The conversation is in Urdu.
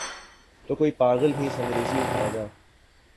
تو کوئی پاگل ہی سنگریزے اٹھائے گا۔